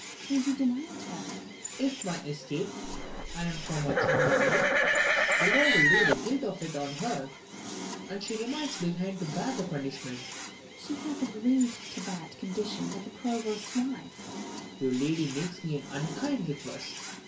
Will you deny it her 1 Claud. If my escape I from her chamber make, The law Avill lay the guilt of it on her ; And she remains behind to bear The punishment. Maid. She hath agreed to that Condition with the Provost's wife. Claud. Your lady makes me an unkind request.